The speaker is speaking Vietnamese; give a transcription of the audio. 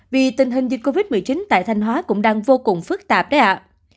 vì tình hình dịch covid một mươi chín tại thanh hóa cũng đang vô cùng phức tạp đấy ạ